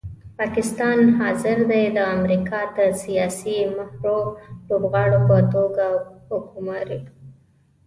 پاکستان حاضر دی د امریکا د سیاسي مهرو لوبغاړو په توګه ګوماري.